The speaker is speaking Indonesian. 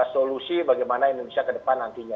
solusi bagaimana indonesia ke depan nantinya